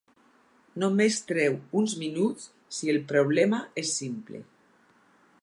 Només treu uns minuts si el problema és simple.